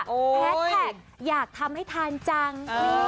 แฮสแท็กอยากทำให้ทานจัง